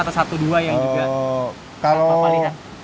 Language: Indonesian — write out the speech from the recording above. atau satu dua yang juga